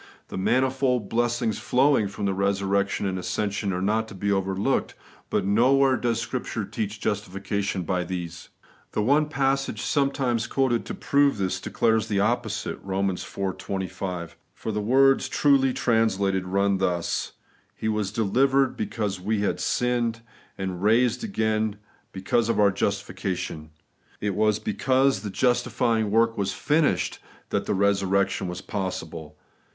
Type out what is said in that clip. The manifold blessings flowing from resur rection and ascension are not to be overlooked ; but nowhere does Scripture teach justification by these. The one passage sometimes quoted to prove this, declares the opposite (Eom. iv. 25); for the words truly translated run thus :* He was delivered because we had sinned, and raised again hecause of our justi fication/ It was because the justifying work was finished that resurrection was possible.